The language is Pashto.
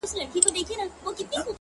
ټولو پردی کړمه؛ محروم يې له هيواده کړمه،